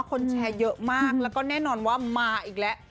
คนแชร์เยอะมากแล้วก็แน่นอนว่ามาอีกแล้ว